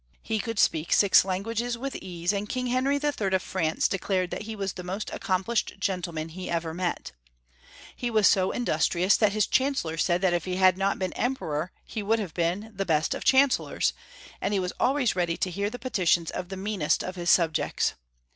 He could speak six languages with ease, and King Henry IH. of France declared that he was the most accomplished gentleman he ever met. He was so industrious that his chancellor said that if he had not been Emperor he would have been the best of chancellors, and he was always ready to hear the petitions of the meanest of his subjects.